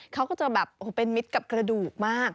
เขาก็จะแบบโอ้โหเป็นมิตรกับกระดูกมาก